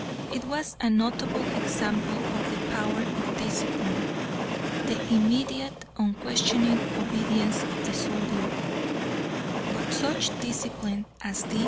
It was a notable example of the power of discipline, the immediate, unquestioning obedience of the soldier; but such discipline as this!